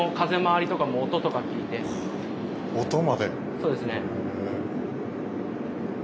そうですね。